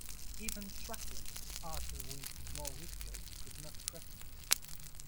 Even track legends Arthur Wint and Mal Whitfield could not threaten it.